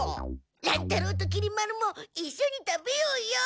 乱太郎ときり丸もいっしょに食べようよ。